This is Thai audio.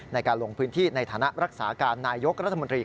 ในการลงพื้นที่ในฐานะรักษาการนายยกรัฐมนตรี